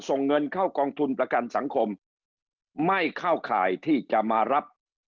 ส่งเงินเข้ากองทุนประกันสังคมไม่เข้าข่ายที่จะมารับ